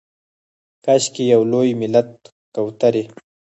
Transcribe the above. کاشکي یو لوی ملت کوترې